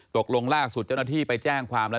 ตกลงล่าสุดเจ้าหน้าที่ไปแจ้งความแล้ว